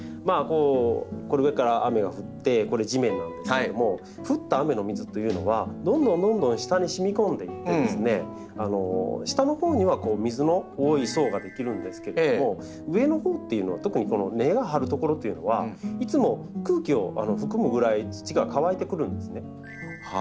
これ上から雨が降ってこれ地面なんですけれども降った雨の水というのはどんどんどんどん下にしみこんでいって下のほうには水の多い層が出来るんですけれども上のほうというのは特にこの根が張る所というのはいつも空気を含むぐらい土が乾いてくるんですね。